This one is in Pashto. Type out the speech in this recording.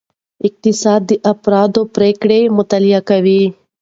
اقتصاد د افرادو پریکړې مطالعه کوي.